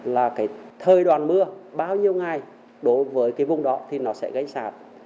là cái thời đoàn mưa bao nhiêu ngày đối với cái vùng đó thì nó sẽ gây sạt